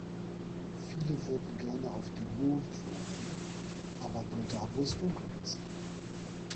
Viele würden gerne auf dem Mond wohnen, aber nur da wo es dunkel ist.